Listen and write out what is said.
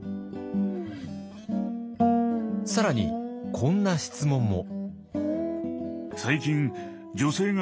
更にこんな質問も。